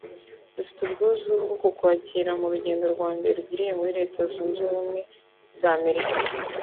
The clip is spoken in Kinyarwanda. Dufite ubwuzu bwo kukwakira mu rugendo rwa mbere ugiriye muri Leta Zunze Ubumwe za Amerika